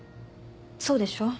そうでしょう？